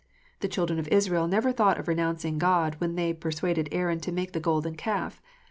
The children of Israel never thought of renouncing God when they persuaded Aaron to make the golden calf.